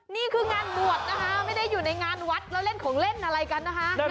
นี่คืองานบวชนะคะไม่ได้อยู่ในงานวัดแล้วเล่นของเล่นอะไรกันนะคะ